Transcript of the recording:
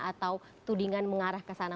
atau tudingan mengarah ke sana